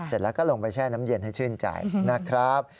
เสร็จแล้วก็ลงไปแช่น้ำเย็นให้ชื่นใจนะครับ